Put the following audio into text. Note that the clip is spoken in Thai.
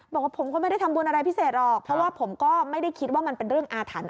บอกว่าผมก็ไม่ได้ทำบุญอะไรพิเศษหรอกเพราะว่าผมก็ไม่ได้คิดว่ามันเป็นเรื่องอาถรรพ